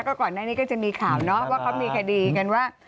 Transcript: ก่อนหน้านี้ก็จะมีข่าวเนาะว่าเขามีคดีกันว่า